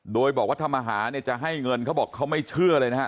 โดยบอกว่าถ้ามาหาเนี่ยจะให้เงินเขาบอกเขาไม่เชื่อเลยนะฮะ